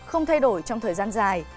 không thay đổi trong thời gian dài